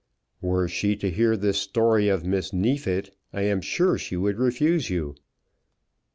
"Were she to hear this story of Miss Neefit I am sure she would refuse you."